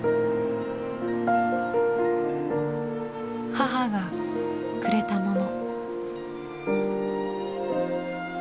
母がくれたもの。